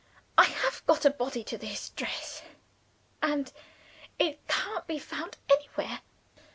"I have got a body to this dress, and it can't be found anywhere."